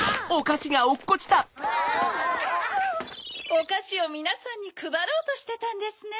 おかしをみなさんにくばろうとしてたんですね。